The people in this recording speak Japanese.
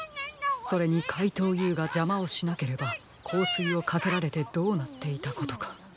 それにかいとうＵがじゃまをしなければこうすいをかけられてどうなっていたことか。